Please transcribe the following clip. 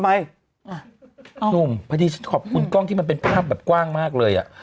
นี่ฉันขอบคุณกล้องที่มาเป็นภาพดับกว้างมากเลยอะ